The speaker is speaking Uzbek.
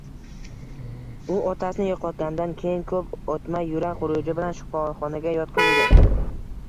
U otasini yoʼqotgandan keyin koʼp oʼtmay yurak xuruji bilan shifoxonaga yotqizildi